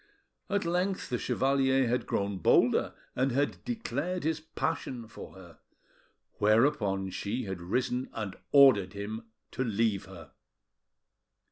At length the chevalier had grown bolder, and had declared his passion for her; whereupon she had risen and ordered him to leave her.